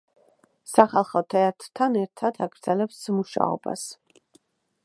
სახალხო თეატრთან ერთად აგრძელებდა მუშაობას.